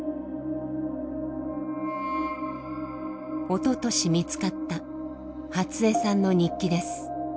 おととし見つかった初恵さんの日記です。